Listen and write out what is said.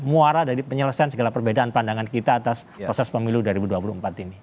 muara dari penyelesaian segala perbedaan pandangan kita atas proses pemilu dua ribu dua puluh empat ini